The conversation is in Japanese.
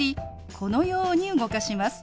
このように動かします。